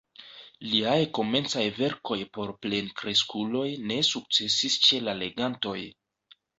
Liaj komencaj verkoj por plenkreskuloj ne sukcesis ĉe la legantoj.